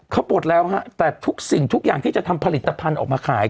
เขาปลดแล้วฮะแต่ทุกสิ่งทุกอย่างที่จะทำผลิตภัณฑ์ออกมาขาย